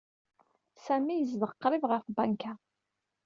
Sami yezdeɣ qrib ɣer tbanka.